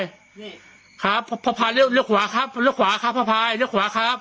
นี่ครับพ่อพายเร็วเร็วขวาครับเร็วขวาครับพ่อพายเร็วขวาครับ